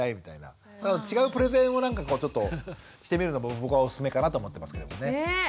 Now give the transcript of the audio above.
違うプレゼンをなんかちょっとしてみるのも僕はおすすめかなと思ってますけどもね。